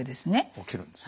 起きるんですね。